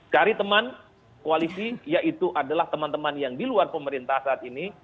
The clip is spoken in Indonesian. cari teman koalisi yaitu adalah teman teman yang di luar pemerintah saat ini